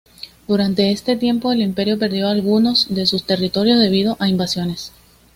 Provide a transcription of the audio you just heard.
Durante este tiempo, el imperio perdió algunos de sus territorios debido a invasiones.